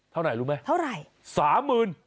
เท่าไหนรู้ไหมเท่าไหร่